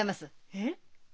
えっ？